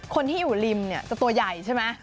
คนที่อยู่ริมเนี่ยจะตัวใหญ่ใช่ไหม